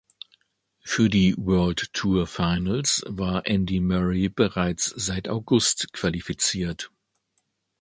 Für die World Tour Finals war Andy Murray bereits seit August qualifiziert.